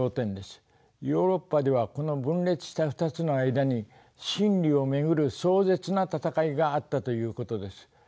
ヨーロッパではこの分裂した２つの間に真理を巡る壮絶な戦いがあったということです。